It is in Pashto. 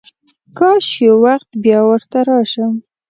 کاش یو وخت بیا ورته راشم.